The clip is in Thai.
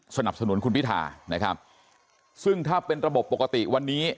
สนับสนุนคุณพิธานะครับซึ่งถ้าเป็นระบบปกติวันนี้